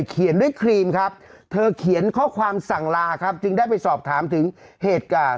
เขียนด้วยครีมครับเธอเขียนข้อความสั่งลาครับจึงได้ไปสอบถามถึงเหตุการณ์